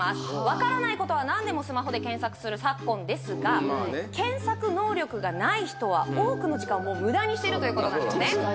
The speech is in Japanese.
わからないことはなんでもスマホで検索する昨今ですが検索能力がない人は多くの時間を無駄にしてるということなんですね